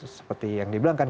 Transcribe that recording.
seperti yang dibilang kan